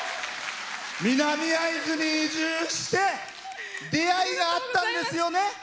南会津に移住して出会いがあったんですよね？